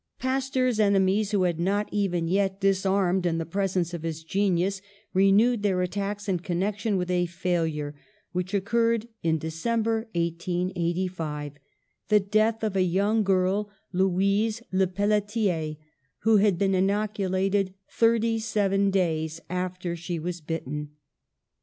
Pasteur's enemies, who had not even yet dis armed in the presence of his genius, renewed their attacks in connection with a failure which occurred in December, 1885, the death of a young girl, Louise Lepelletier, who had been inoculated thirty seven days after she was bit ten.